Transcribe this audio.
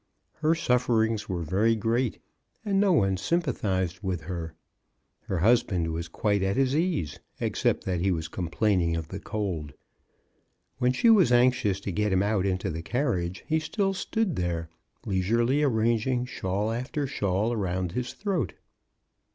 Her sufferings were very great, and no one sympathized with her. Her husband was quite at his ease, except that he was complain ing of the cold. When she was anxious to get him out into the carriage, he still stood there, leisurely arranging shawl after shawl around his throat.